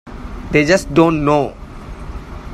They just don't know.